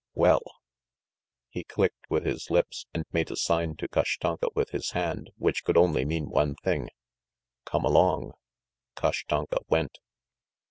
... Well!" He clicked with his lips, and made a sign to Kashtanka with his hand, which could only mean one thing: "Come along!" Kashtanka went.